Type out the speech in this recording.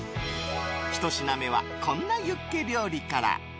１品目は、こんなユッケ料理から。